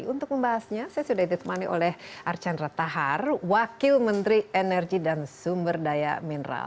untuk membahasnya saya sudah ditemani oleh archandra tahar wakil menteri energi dan sumber daya mineral